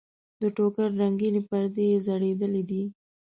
د ټوکر رنګینې پردې یې ځړېدلې دي.